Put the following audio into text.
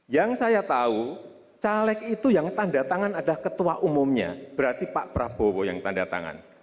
yang saya tahu caleg itu yang tanda tangan ada ketua umumnya berarti pak prabowo yang tanda tangan